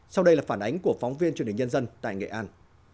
sau đây là phản ánh của phóng viên truyền hình nhân dân tại nghệ an